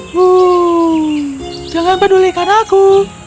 huuu jangan pedulikan aku